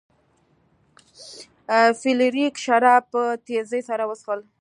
فلیریک شراب په تیزۍ سره وڅښل.